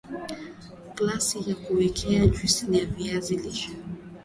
Glasi ya kuwekea juisi ya viazi lishe